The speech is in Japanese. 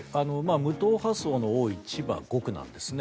無党派層の多い千葉５区なんですね。